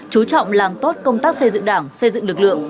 chú trọng làm tốt công tác xây dựng đảng xây dựng lực lượng